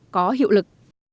có hiệu lực